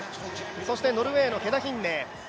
そしてノルウェーのヘダ・ヒンネ。